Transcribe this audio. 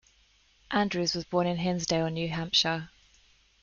Andrews was born in Hinsdale, New Hampshire.